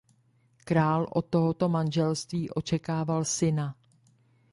Král od tohoto manželství očekával syna.